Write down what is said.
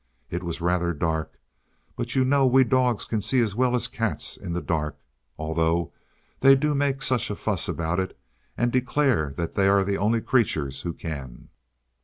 It was rather dark, but you know we dogs can see as well as cats in the dark, although they do make such a fuss about it, and declare that they are the only creatures who can.